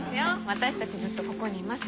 私たちずっとここにいますから。